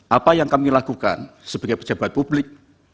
apa yang kami lakukan sebagai pejabat publik